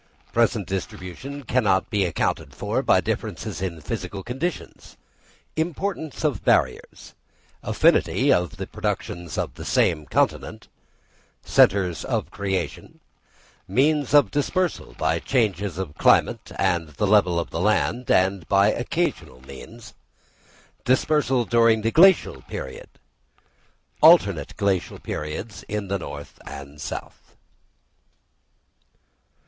Present distribution cannot be accounted for by differences in physical conditions—Importance of barriers—Affinity of the productions of the same continent—Centres of creation—Means of dispersal by changes of climate and of the level of the land, and by occasional means—Dispersal during the Glacial period—Alternate Glacial periods in the North and South.